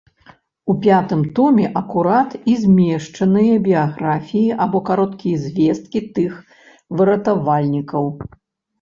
У пятым томе акурат і змешчаныя біяграфіі або кароткія звесткі тых выратавальнікаў.